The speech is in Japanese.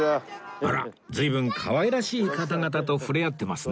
あら随分かわいらしい方々と触れ合ってますね